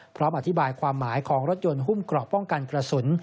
พร้อมอธิบายความหมายของรถยนต์หุ้มกรอบป้องกันกระสุน